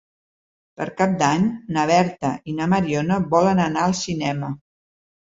Per Cap d'Any na Berta i na Mariona volen anar al cinema.